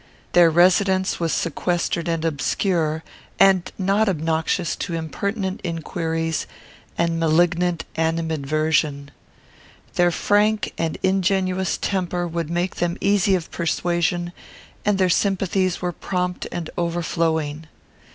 Their residence was sequestered and obscure, and not obnoxious to impertinent inquiries and malignant animadversion. Their frank and ingenuous temper would make them easy of persuasion, and their sympathies were prompt and overflowing.